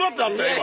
今。